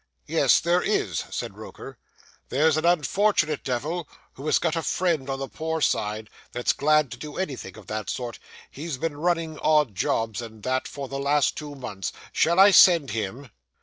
'Yes, there is,' said Roker. 'There's an unfortunate devil, who has got a friend on the poor side, that's glad to do anything of that sort. He's been running odd jobs, and that, for the last two months. Shall I send him?